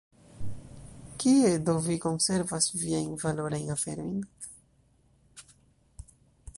Kie do vi konservas viajn valorajn aferojn?